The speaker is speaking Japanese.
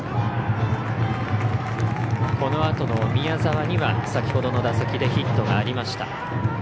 このあとの宮澤には先ほどの打席でヒットがありました。